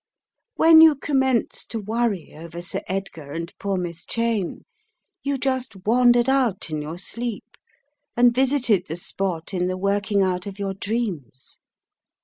When you commenced to worry over Sir Edgar and poor Miss Cheyne, you just wandered out in your sleep and visited the spot in the working out of your dreams."